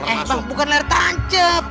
eh bang bukan ler tancep